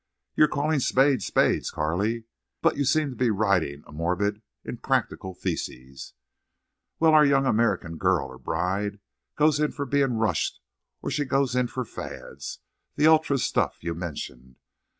You're calling spades spades, Carley, but you seem to be riding a morbid, impractical thesis. Well, our young American girl or bride goes in for being rushed or she goes in for fads, the ultra stuff you mentioned.